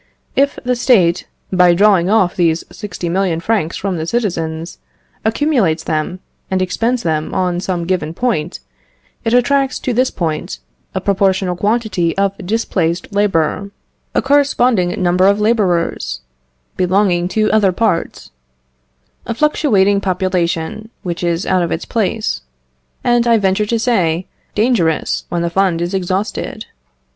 If the State, by drawing off these 60,000,000 francs from the citizens, accumulates them, and expends them on some given point, it attracts to this point a proportional quantity of displaced labour, a corresponding number of labourers, belonging to other parts; a fluctuating population, which is out of its place, and I venture to say dangerous when the fund is exhausted.